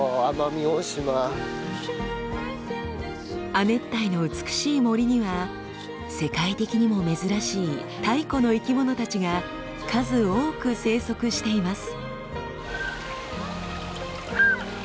亜熱帯の美しい森には世界的にも珍しい太古の生き物たちが数多く生息しています。